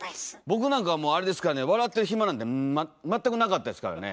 僕なんかはもう笑ってる暇なんて全くなかったですからね。